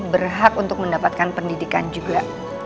berhak untuk mendapatkan pendidikan juga